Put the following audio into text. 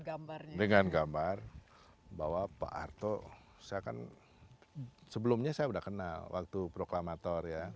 gambar dengan gambar bahwa pak arto seakan sebelumnya saya udah kenal waktu proklamator ya